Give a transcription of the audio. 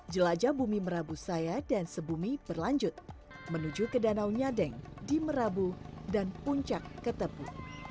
jelajah bumi merabu saya dan sebumi berlanjut menuju ke danau nyadeng di merabu dan puncak ketebu